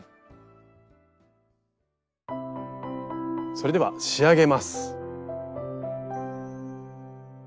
それでは仕上げます。